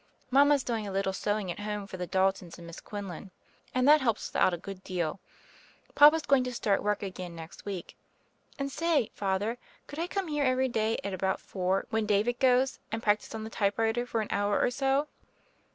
Mama's do ing a little sewing at home for the Daltons and Miss Quinlan, and that helps us out a good deal. Papa's going to start work again next week. And say. Father; could I come here every day at about four when David goes, and practise on the typewriter for an hour or so?"